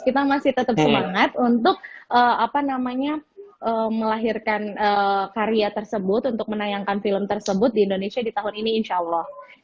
kita masih tetap semangat untuk melahirkan karya tersebut untuk menayangkan film tersebut di indonesia di tahun ini insya allah